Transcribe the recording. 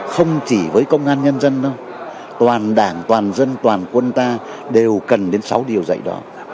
không chỉ với công an nhân dân đâu toàn đảng toàn dân toàn quân ta đều cần đến sáu điều dạy đó